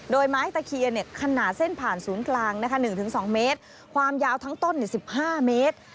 โดยไม้ตะเคียนขนาดเส้นผ่านศูนย์กลาง๑๒เมตรความยาวทั้งต้น๑๕เมตร